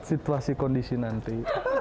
situasi kondisi nanti